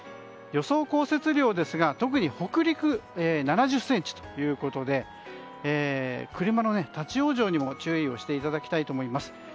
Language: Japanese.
予想降雪量ですが特に北陸、７０ｃｍということで車の立ち往生にも注意していただきたいと思います。